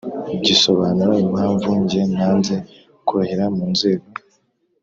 gisobanura impamvu njye nanze kurahira mu nzego